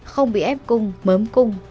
không bị ép cung mớm cung